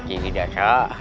ini tidak se